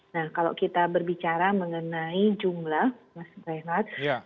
nah kalau kita berbicara mengenai jumlah mas reinhardt